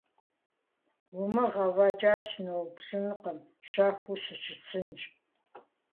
Умыгъ, афӏэкӏа сыноупщӏынкъым, щэхуу сыщысынщ…